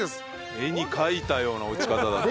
絵に描いたような落ち方だったね。